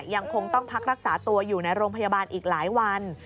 ยังคงต้องพักรักษาตัวอยู่ในโรงพยาบาลอีกหลายวัน